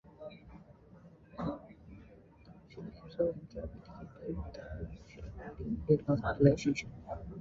She became so incapacitated that she required immediate hospitalization.